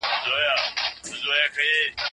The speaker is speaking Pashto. ميرويس خان نيکه د کوم ځای اوسېدونکی و؟